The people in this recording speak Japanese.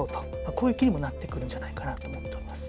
こういう気にもなってくるんじゃないかなと思っております。